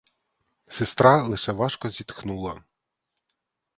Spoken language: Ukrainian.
Сестра лише важко зітхнула.